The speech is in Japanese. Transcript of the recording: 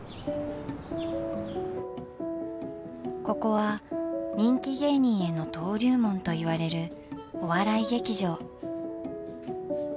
ここは人気芸人への登竜門といわれるお笑い劇場。